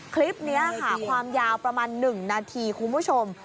คลิปนี้ค่ะความยาวประมาณ๑นาทีคุณผู้ชม